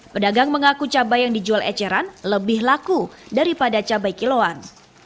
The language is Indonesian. pedagang mengaku cabai yang dijual eceran lebih laku daripada cabai kiloan